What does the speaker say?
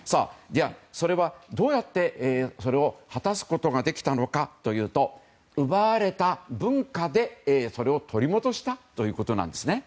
どうやって、それを果たすことができたのかというと奪われた文化で、それを取り戻したということなんです。